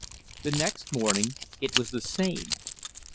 The next morning, it was the same.